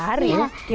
oh sambil lari